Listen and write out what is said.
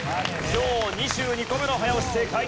今日２２個目の早押し正解。